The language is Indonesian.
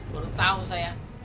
baru tau saya